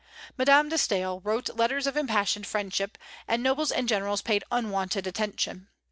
Madame de Staël wrote letters of impassioned friendship, and nobles and generals paid unwonted attention.